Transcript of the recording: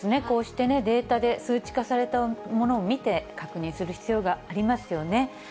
こうしてデータで数値化されたものを見て、確認する必要がありますよね。